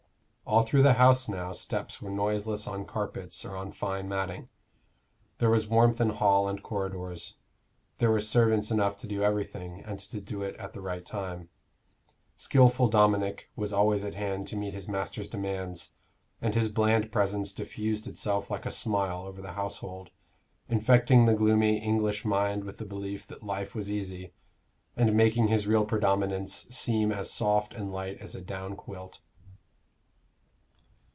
All through the house now steps were noiseless on carpets or on fine matting; there was warmth in hall and corridors; there were servants enough to do everything, and to do it at the right time. Skilful Dominic was always at hand to meet his master's demands, and his bland presence diffused itself like a smile over the household, infecting the gloomy English mind with the belief that life was easy, and making his real predominance seem as soft and light as a down quilt.